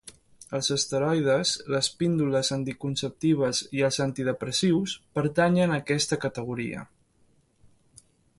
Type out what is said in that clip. Els esteroides, les píndoles anticonceptives i els antidepressius pertanyen a aquesta categoria.